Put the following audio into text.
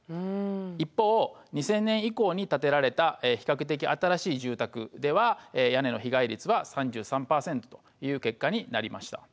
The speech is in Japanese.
一方２０００年以降に建てられた比較的新しい住宅では屋根の被害率は３３％という結果になりました。